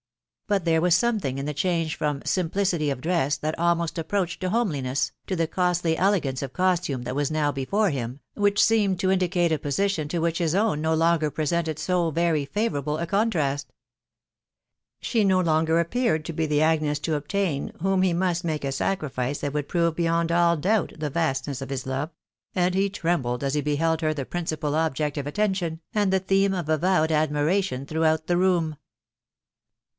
But there was something in the change from simplicity of dress that almost approached to homeliness, to the costly elegance of costume that was now before him, which seemed to indicate a position to which his own no longer presented so very favourable a contrast. She no longer appeared to be the Agnes to obtain whom he must make a sacrifice that would prove beyond all doubt the vast ness of his love, and he trembled as he beheld her the principal object of attention and the theme of avowed admiration throughout the room.